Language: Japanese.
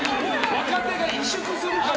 若手が委縮するから！